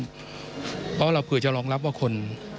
เพราะว่าเราเผื่อจะรองรับว่าคน